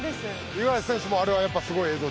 五十嵐選手もあれはやっぱりすごい映像でした？